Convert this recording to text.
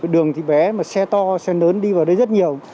đường thì bé mà xe to xe lớn đi vào đấy rất nhiều